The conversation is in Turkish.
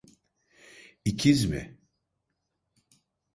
İkiz mi?